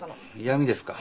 嫌みですか？